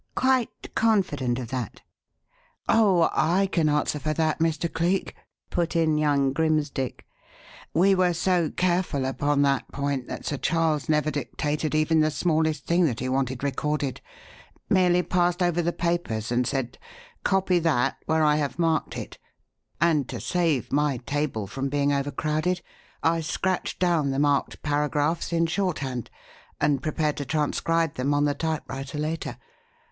"Quite confident of that?" "Oh, I can answer for that, Mr. Cleek," put in young Grimsdick. "We were so careful upon that point that Sir Charles never dictated even the smallest thing that he wanted recorded; merely passed over the papers and said: 'Copy that where I have marked it'; and to save my table from being overcrowded, I scratched down the marked paragraphs in shorthand, and prepared to transcribe them on the typewriter later.